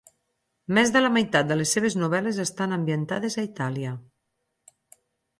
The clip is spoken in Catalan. Més de la meitat de les seves novel·les estan ambientades a Itàlia.